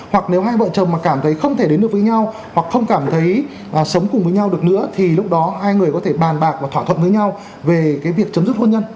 hoặc nếu hai vợ chồng mà cảm thấy không thể đến được với nhau hoặc không cảm thấy sống cùng với nhau được nữa thì lúc đó hai người có thể bàn bạc và thỏa thuận với nhau về cái việc chấm dứt hôn nhân